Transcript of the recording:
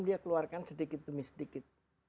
dia keluarkan sedikit demi sedikit